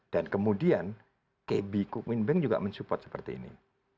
dan kemudian kb kukminbank juga mensupport seperti ini